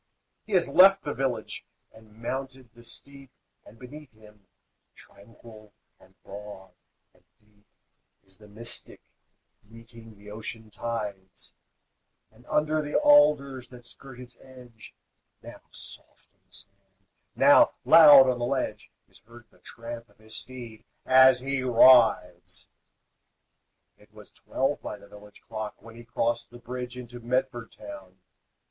He has left the village and mounted the steep, And beneath him, tranquil and broad and deep, Is the Mystic, meeting the ocean tides; And under the alders, that skirt its edge, Now soft on the sand, now loud on the ledge, Is heard the tramp of his steed as he rides. It was twelve by the village clock When he crossed the bridge into Medford town.